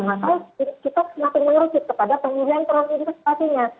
maka kita semakin menurut kepada penggunaan perusahaan investasinya